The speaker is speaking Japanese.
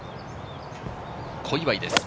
小祝です。